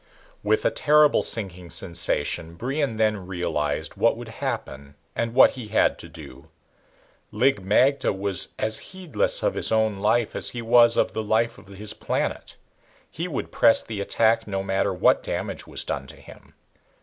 With a terrible sinking sensation Brion then realized what would happen and what he had to do. Lig magte was as heedless of his own life as he was of the life of his planet. He would press the attack no matter what damage was done to him.